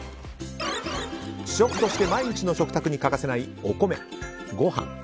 主食として毎日の食卓に欠かせないご飯。